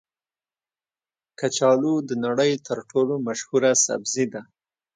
کچالو د نړۍ تر ټولو مشهوره سبزي ده